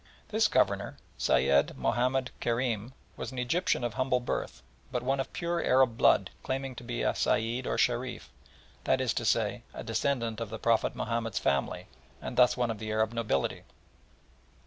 This Governor, Sayed Mahomed Kerim, was an Egyptian of humble birth, but one of Arab blood, claiming to be a Sayed or Shereef; that is to say, a descendant of the Prophet Mahomed's family, and thus one of the Arab nobility.